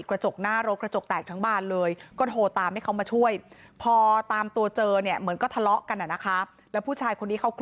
กระจกหน้ารถกระจกแตกทั้งบ้านเลยก็โทรตามให้เขามาช่วย